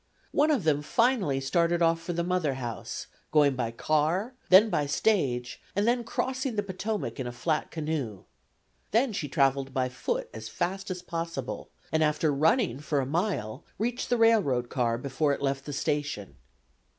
One of them finally started off for the mother house, going by car, then by stage, and then crossing the Potomac in a flat canoe. Then she traveled by foot as fast as possible, and after running for a mile reached the railroad car before it left the station.